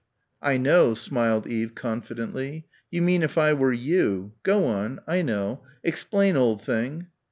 "I know," smiled Eve confidently. "You mean if I were you. Go on. I know. Explain, old thing."